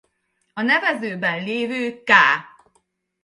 A nevezőben lévő k!